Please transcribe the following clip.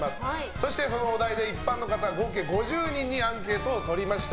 そして、そのお題で一般の方合計５０人にアンケートをとりました。